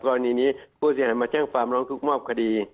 กรณีนี้ผู้เสียหายมาแจ้งความร้องทุกข์มอบคดี